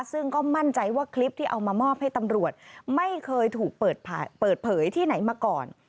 ซึ่งก็มั่นใจว่าคลิปที่เอามามอบให้ตำรวจไม่เคยถูกเปิดเผยที่ไหนมาก่อน